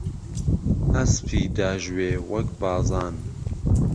ئهسپی داژوێ وەک بازان